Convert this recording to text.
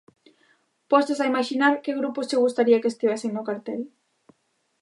Postos a imaxinar, que grupos che gustaría que estivesen no cartel?